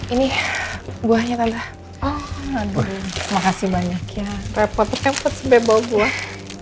ini buahnya tanda oh aduh makasih banyak ya repot repot sebeboh buah